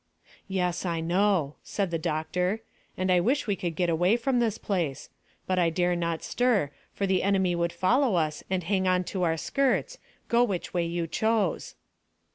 "Yes, I know," said the doctor, "and I wish we could get away from this place; but I dare not stir, for the enemy would follow us and hang on to our skirts, go which way you chose."